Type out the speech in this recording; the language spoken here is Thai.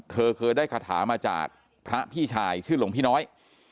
เธอเคยได้คาถามาจากพระพี่ชายชื่อหลวงพี่น้อย